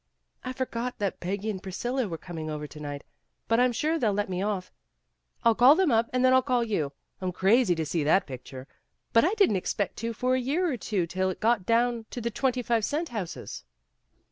"I forgot that Peggy and Priscilla were coming over to night. But I'm sure they'll let me off. I'll call them up and then call you. QUITE INFORMAL 159 I'm crazy to see that picture, but I didn't ex pect to for a year or two till it got down to the twenty five cent houses."